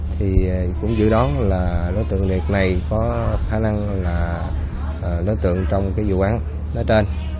thì có khả năng là đối tượng trong cái vụ án đó trên